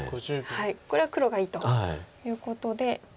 これは黒がいいということで。